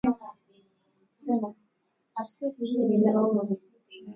Kati yao alichagua Mitume wake kumi na mbili